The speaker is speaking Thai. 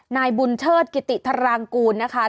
นายบุญเชิดกิติธารางกูลนะคะ